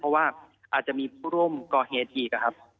เพราะว่าอาจจะมีผู้ร่วมก็เหตุอีก